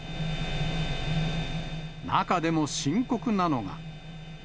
中でも深刻なのが。